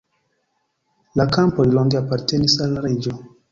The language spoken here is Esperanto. La kampoj longe apartenis al la reĝo.